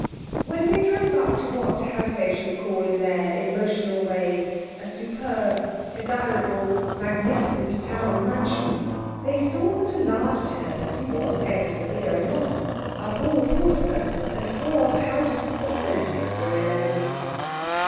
When they drove up to what house agents call in their emotional way a superb, desirable, magnificent town mansion, they saw that a large dinner party was evidently going on. A hall porter and four powdered footmen were in evidence.